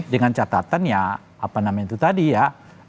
dengan catatan ya apa namanya itu tadi ya